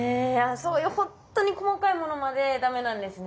そういうほんとに細かいものまでダメなんですね。